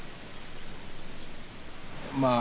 まあ